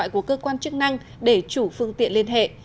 chức năng để chủ phương tiện liên hệ